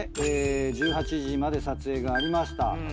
１８時まで撮影がありました。